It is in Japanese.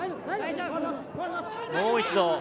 もう一度。